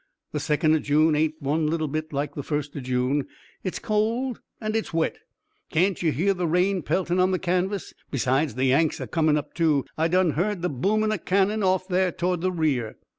The second o' June ain't one little bit like the first o' June. It's cold and it's wet. Can't you hear the rain peltin' on the canvas? Besides, the Yanks are comin' up, too. I done heard the boomin' o' cannon off there toward the rear."